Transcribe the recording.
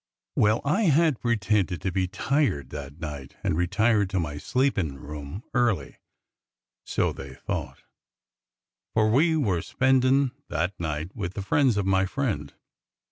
Well, I had pretended to be tired that night and had retired to my sleepin' room early, so they thought, for we werespendin' that night ^s^ith the friends of my friend.